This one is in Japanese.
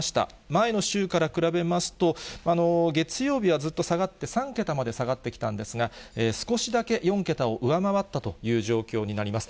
前の週から比べますと、月曜日はずっと下がって３桁まで下がってきたんですが、少しだけ４桁を上回ったという状況になります。